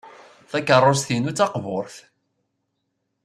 Takeṛṛust-inu d taqburt.